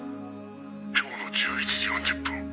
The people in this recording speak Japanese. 「今日の１１時４０分